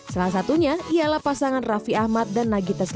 salah satunya ialah pasangan raffi ahmad dan nagita